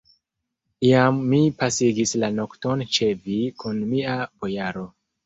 Iam mi pasigis la nokton ĉe vi kun mia bojaro.